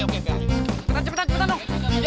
cepetan cepetan cepetan dong